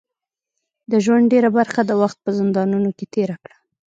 د ژوند ډیره برخه د وخت په زندانونو کې تېره کړه.